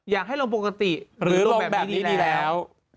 อยากให้ลงปกติหรือลงแบบนี้ดีแล้ว